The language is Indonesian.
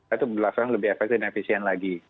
itu berlaksanaan lebih efektif dan efisien lagi